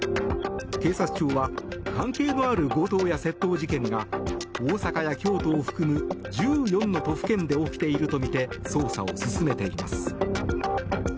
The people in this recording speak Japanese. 警察庁は関係のある強盗や窃盗事件が大阪や京都を含む１４の都府県で起きているとみて捜査を進めています。